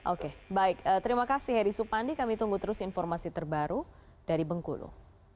oke baik terima kasih heri supandi kami tunggu terus informasi terbaru dari bengkulu